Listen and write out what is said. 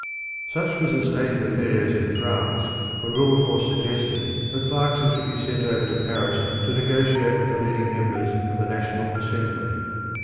Such was the state of affairs in France when Wilberforce suggested that Clarkson should be sent over to Paris to negotiate with the leading members of the National Assembly.